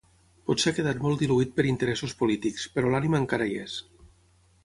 Potser ha quedat molt diluït per interessos polítics, però l’ànima encara hi és.